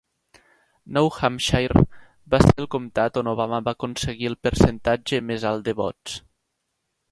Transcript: Nou Hampshire va ser el comtat on Obama va aconseguir el percentatge més alt de vots